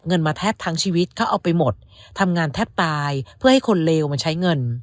เงินมาแทบทั้งชีวิตเขาเอาไปหมดทำงานแทบตายเพื่อให้คนเลวมันใช้เงิน